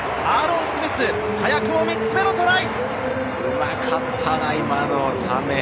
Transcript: アーロン・スミス、繋がった３つ目のトライ！